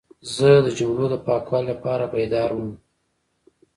زه د جملو د پاکوالي لپاره بیدار وم.